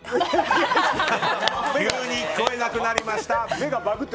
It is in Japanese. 急に聞こえなくなりました。